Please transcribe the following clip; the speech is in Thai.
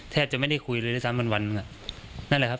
แทบจะไม่ได้คุยเลยเลยสามวันวันอ่ะนั่นแหละครับ